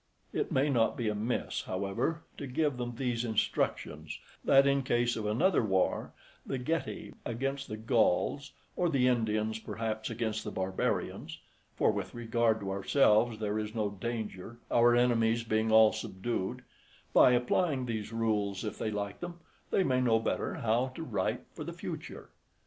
It may not be amiss, however, to give them these instructions, that in case of another war, the Getae against the Gauls, or the Indians, perhaps, against the barbarians (for with regard to ourselves there is no danger, our enemies being all subdued), by applying these rules if they like them, they may know better how to write for the future.